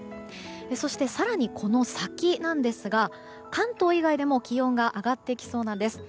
そして、更にこの先なんですが関東以外でも気温が上がってきそうなんです。